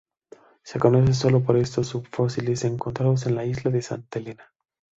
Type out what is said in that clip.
Se conoce solo por restos subfósiles encontrados en la isla de Santa Elena.